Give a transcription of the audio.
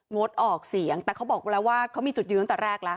งดออกเสียงแต่เขาบอกแล้วว่าเขามีจุดยืนตั้งแต่แรกแล้ว